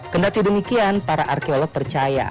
kendati demikian para arkeolog percaya